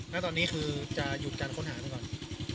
นั่นตอนนี้จะหยุดการค้นหาขึ้นไปก่อน